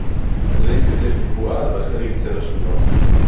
זֶה עִם כָּתֵף נקועה וְאַחַר עִם צֶלַע שְׁבוּרָה